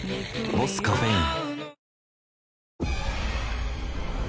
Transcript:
「ボスカフェイン」